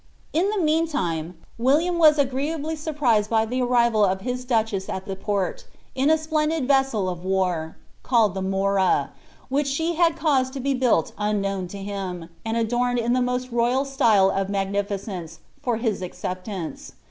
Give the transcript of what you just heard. In the meantime William was agreeably surprised by the arrival of his duchess at the port, in a splendid vessel of war, called the Mora,' which •he had caused to be built unknown to him, and adorned in the most royal style of magnificence, for his acceptance.